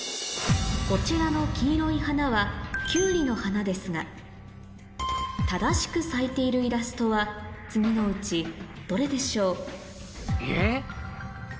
こちらの黄色い花は正しく咲いているイラストは次のうちどれでしょう？